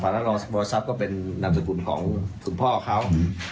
และรองซาปก็เป็นนามสกุลของสุดพ่อเขา